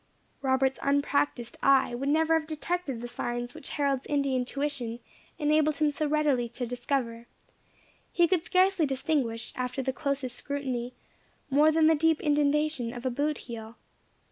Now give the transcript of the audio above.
Robert's unpractised eye would never have detected the signs which Harold's Indian tuition enabled him so readily to discover; he could scarcely distinguish, after the closest scrutiny, more than the deep indentation of a boot heel.